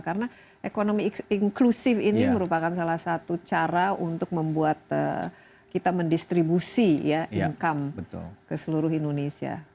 karena ekonomi inklusif ini merupakan salah satu cara untuk membuat kita mendistribusi ya income ke seluruh indonesia